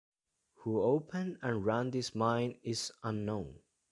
Who opened and ran this mine is unknown.